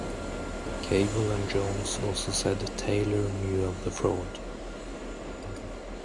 Cagle and Jones also said Taylor knew of the fraud.